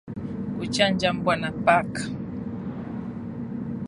Kuchanja mbwa na paka